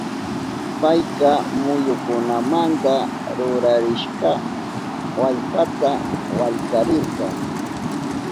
Payka muyukunamanta rurarishka wallkata wallkarirka.